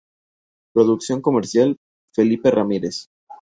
Producción Comercial: Felipe Ramírez.